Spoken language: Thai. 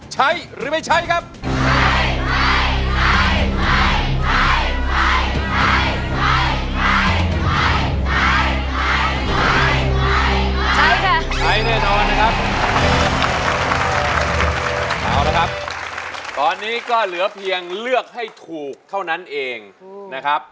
ใช้หรือไม่ใช้ครับ